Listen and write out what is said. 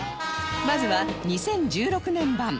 まずは２０１６年版